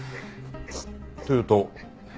というと？